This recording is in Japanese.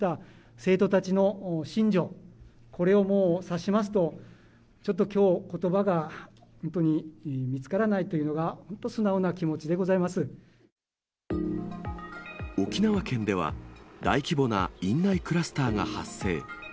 生徒たちの心情、これを察しますと、ちょっときょう、ことばが本当に見つからないというのが、本当、素直な気持ちでご沖縄県では、大規模な院内クラスターが発生。